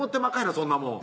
そんなもん